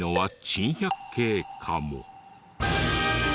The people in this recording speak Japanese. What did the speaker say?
珍百景かも。